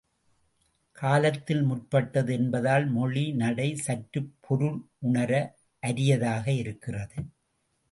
காலத்தில் முற்பட்டது என்பதால் மொழி நடை சற்றுப் பொருள் உணர அரியதாக இருக்கிறது.